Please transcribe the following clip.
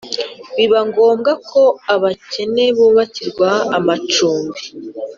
Biba ngombwa ko abakene bushakirwa amacumbi